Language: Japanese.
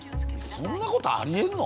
そんなことありえんの？